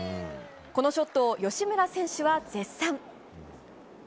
このショットを吉村選手は絶賛。